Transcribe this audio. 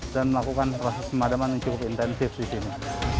dan melakukan proses pemadaman yang cukup intensif di sini